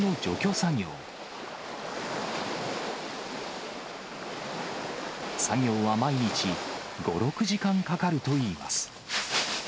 作業は毎日５、６時間かかるといいます。